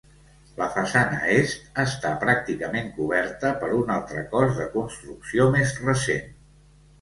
La façana est està pràcticament coberta per un altre cos de construcció més recent.